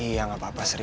iya gak apa apa seri